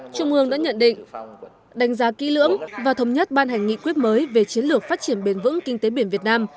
trung ương đã nhận định đánh giá kỹ lưỡng và thống nhất ban hành nghị quyết mới về chiến lược phát triển bền vững kinh tế biển việt nam